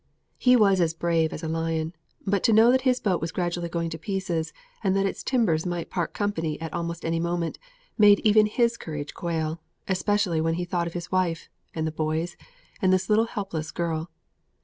He was as brave as a lion; but to know that his boat was gradually going to pieces, and that its timbers might part company at almost any moment, made even his courage quail; especially when he thought of his wife, and the boys, and this little helpless girl.